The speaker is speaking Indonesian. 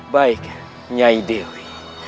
baik nyai dewi